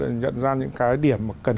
nhận ra những cái điểm mà cần